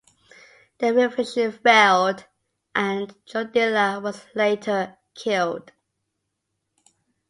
The revolution failed, and Judilla was later killed.